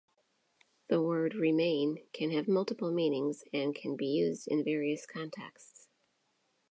The word "remain" can have multiple meanings and can be used in various contexts.